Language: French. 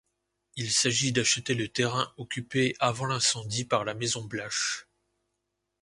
Il s'agit d'acheter le terrain occupé avant l'incendie par la maison Blache.